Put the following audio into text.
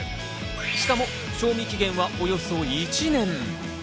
しかも賞味期限はおよそ１年。